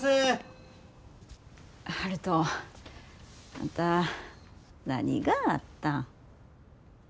あんた何があったん？